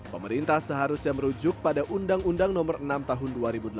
pemerintah seharusnya merujuk pada undang undang nomor enam tahun dua ribu delapan belas